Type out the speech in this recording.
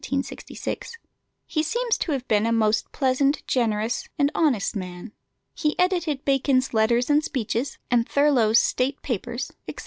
He seems to have been a most pleasant, generous, and honest man. He edited Bacon's Letters and Speeches, and Thurloe's State Papers, etc.